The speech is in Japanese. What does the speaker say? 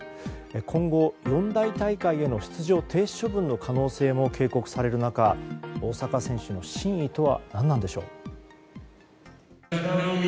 今後、四大大会への出場停止処分の可能性も警告される中大坂選手の真意とは何なんでしょう。